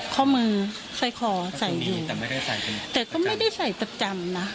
ข้อมือใส่คอใส่อยู่แต่ก็ไม่ได้ใส่ประจำนะ